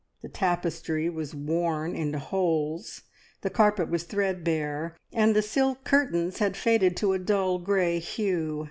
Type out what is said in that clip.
The tapestry was worn into holes, the carpet was threadbare, and the silk curtains had faded to a dull grey hue.